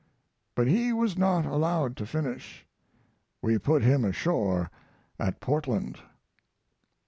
But he was not allowed to finish. We put him ashore at Portland.